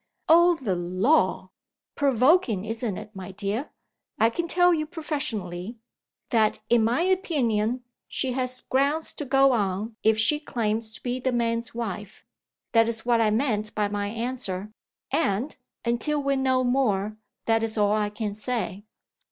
_" "Oh! the law!" "Provoking, isn't it, my dear? I can tell you, professionally, that (in my opinion) she has grounds to go on if she claims to be the man's wife. That is what I meant by my answer; and, until we know more, that is all I can say."